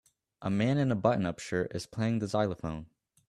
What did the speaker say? A man in a button up shirt is playing the xylophone